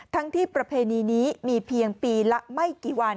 ทั้งที่ประเพณีนี้มีเพียงปีละไม่กี่วัน